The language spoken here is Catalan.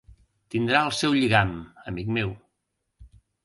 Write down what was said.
Tindrà el seu lligam, amic meu.